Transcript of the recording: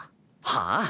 はあ？